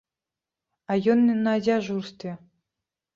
А ён на дзяжурстве.